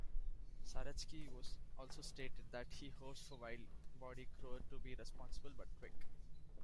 Saretsky also stated that he hopes for wide-body growth to be responsible, but quick.